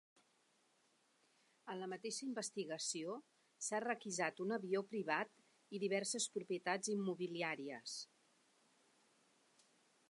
En la mateixa investigació s’ha requisat un avió privat i diverses propietats immobiliàries.